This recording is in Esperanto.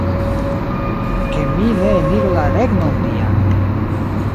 Ke mi ne eniru la Regnon Dian!